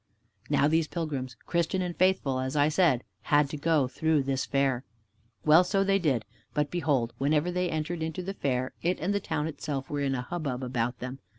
Now these pilgrims, Christian and Faithful, as I said, had to go through this fair. Well, so they did, but behold, whenever they entered into the fair, it and the town itself were in a hubbub about them.